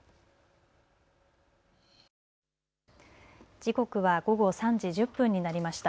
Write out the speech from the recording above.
時刻は午後３時１０分になりました。